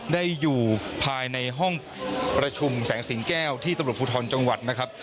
ได้อยู่ภายในห้องประชุมแสงสิงแก้วที่ตำรวจภูทรจังหวัดนะครับ